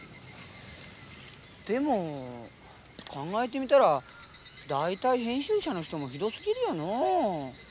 でも考えてみたら大体編集者の人もひどすぎるよのう。